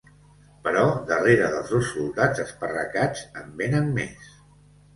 Però darrere dels dos soldats esparracats en vénen més.